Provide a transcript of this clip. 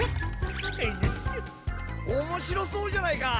おもしろそうじゃないか！